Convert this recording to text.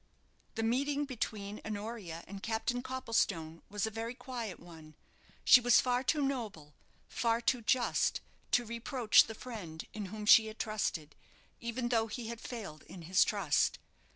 The meeting between Honoria and Captain Copplestone was a very quiet one. She was far too noble, far too just to reproach the friend in whom she had trusted, even though he had failed in his trust.